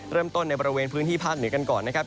ในบริเวณพื้นที่ภาคเหนือกันก่อนนะครับ